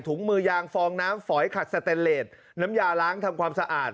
มือยางฟองน้ำฝอยขัดสแตนเลสน้ำยาล้างทำความสะอาด